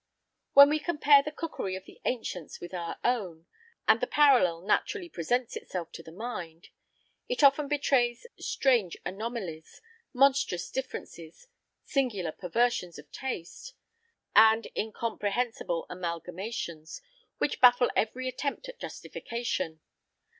When we compare the cookery of the ancients with our own and the parallel naturally presents itself to the mind it often betrays strange anomalies, monstrous differences, singular perversions of taste, and incomprehensible amalgamations, which baffle every attempt at justification.